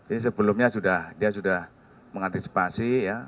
ini sebelumnya sudah dia sudah mengantisipasi ya